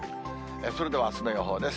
それではあすの予報です。